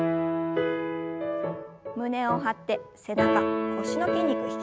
胸を張って背中腰の筋肉引き締めます。